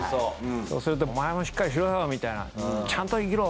そうするとお前もしっかりしろよみたいなちゃんと生きろ！